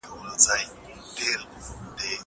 زه پرون کتابونه لوستل کوم!!